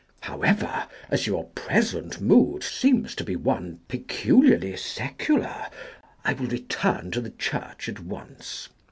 However, as your present mood seems to be one peculiarly secular, I will return to the church at once.